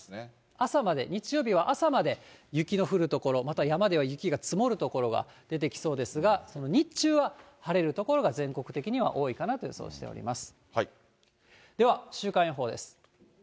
朝まで、日曜日は朝まで雪の降る所、また山では雪が積もる所が出てきそうですが、日中は晴れる所が、全国的には多いかなと予想しております。